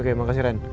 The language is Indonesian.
oke makasih ren